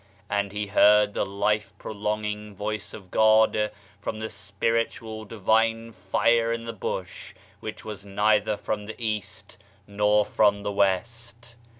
And he heard the life pro longing Voice of God from the spiritual divine fire in the Bush ; which was neither from the East nor from the West.